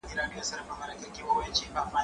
کار د زده کوونکي له خوا کيږي!.